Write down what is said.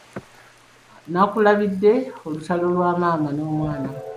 Nakulabidde olutalo lwa maama n'omwana.